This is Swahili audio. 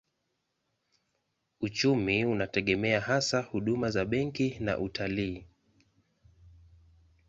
Uchumi unategemea hasa huduma za benki na utalii.